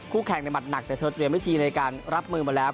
แข่งในหมัดหนักแต่เธอเตรียมวิธีในการรับมือมาแล้ว